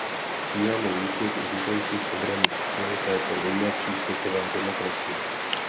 Cílem je výcvik vznikajících obranných sil této „nejmladší světové demokracie“.